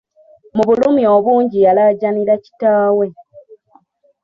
Mu bulumi obungi yalaajanira kitaawe.